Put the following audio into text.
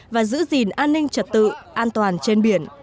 và giữ gìn an ninh trật tự an toàn trên biển